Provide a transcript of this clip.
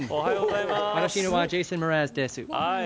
私はジェイソン・ムラーズです。